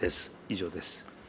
以上です。